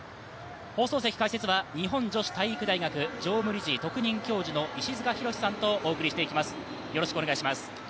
放送席解説は日本女子体育大学常務理事特任教授の石塚浩さんとお送りしてまいります。